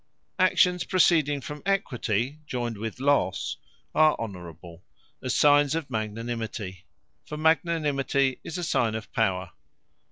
Actions proceeding from Equity, joyned with losse, are Honourable; as signes of Magnanimity: for Magnanimity is a signe of Power.